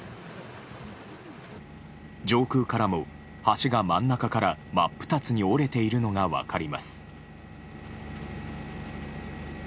上空からも橋が真ん中から真っ二つに折れているのが分かります。